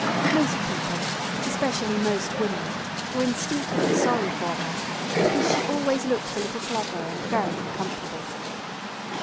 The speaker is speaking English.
Most people, especially most women, were instinctively sorry for her, because she always looked a little clever and very uncomfortable.